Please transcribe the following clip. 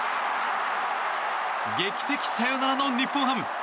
劇的サヨナラの日本ハム。